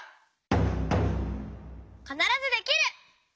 「かならずできる！」。